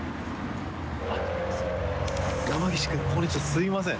すみません。